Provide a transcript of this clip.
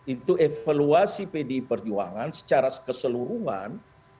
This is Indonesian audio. itu evaluasi pdi perjuangan secara keseluruhan